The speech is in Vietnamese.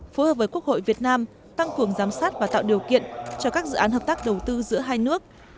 phối hợp với quốc hội việt nam tăng cường giám sát và tạo điều kiện cho các dự án hợp tác đầu tư giữa hai nước